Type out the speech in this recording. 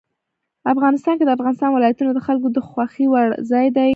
افغانستان کې د افغانستان ولايتونه د خلکو د خوښې وړ ځای دی.